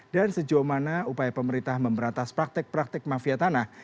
dan sejauh mana upaya pemerintah memberantas praktek praktek mafia tanah